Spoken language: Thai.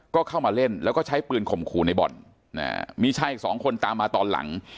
ก็เข้ามาเล่นแล้วก็ใช้ปืนข่มขู่ในบ่อนมีชายอีกสองคนตามมาตอนหลัง